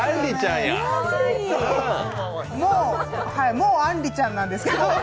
もう、あんりちゃんなんですけど。